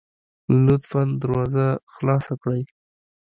لطفا دروازه خلاصه کړئ